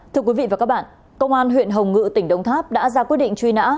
thưa quý vị và các bạn công an huyện hồng ngự tỉnh đông tháp đã ra quyết định truy nã